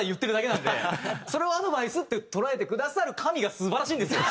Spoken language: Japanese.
それをアドバイスって捉えてくださる神が素晴らしいんですよ。